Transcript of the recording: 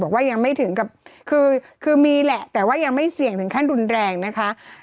บอกว่ายังไม่ถึงกับคือมีแหละแต่ว่ายังไม่เสี่ยงถึงขั้นรุนแรงนะคะ